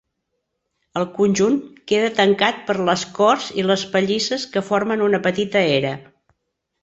El conjunt queda tancat per les corts i les pallisses que formen una petita era.